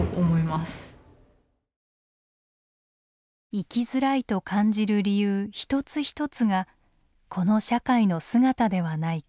生きづらいと感じる理由一つ一つがこの社会の姿ではないか。